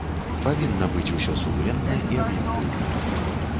Павінна быць усё сумленна і аб'ектыўна.